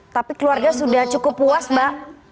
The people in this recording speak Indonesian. tapi keluarga sudah cukup puas mbak